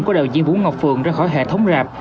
của đạo diễn vũ ngọc phượng ra khỏi hệ thống rạp